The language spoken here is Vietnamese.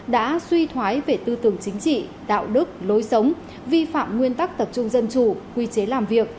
đã suy thoái về tư tưởng chính trị đạo đức lối sống vi phạm nguyên tắc tập trung dân chủ quy chế làm việc